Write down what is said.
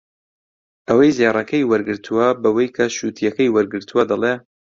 ئەوەی زێڕەکەی وەرگرتووە بەوەی کە شووتییەکەی وەرگرتووە دەڵێ